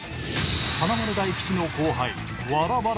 華丸・大吉の後輩